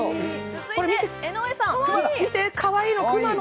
見て、かわいいの。